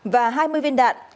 và hai mươi viên đạn